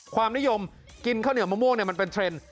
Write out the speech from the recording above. ความนิยมกินข้าวเหนียวมะม่วงมันเป็นเทรนด์